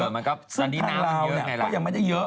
ซึ่งภาคลาวน์เนี่ยก็ยังไม่ได้เยอะ